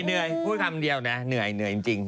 เหนื่อยพูดคำเดียวนะเหนื่อยจริง